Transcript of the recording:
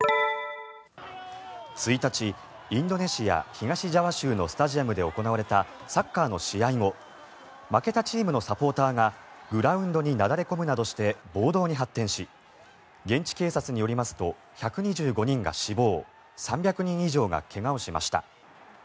１日インドネシア東ジャワ州のスタジアムで行われたサッカーの試合後負けたチームのサポーターがグラウンドになだれ込むなどして暴動に発展し現地警察によりますと１２５人が死亡３００人以上が怪我をしました。